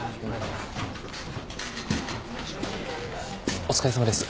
お疲れさまです。